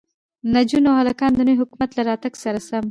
نجونو او هلکانو د نوي حکومت له راتگ سره سم